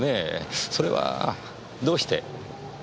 それはどうして？